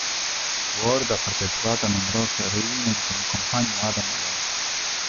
Ward ha partecipato a numerose reunion con il compagno Adam West.